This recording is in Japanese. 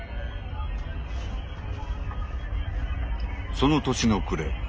その年の暮れ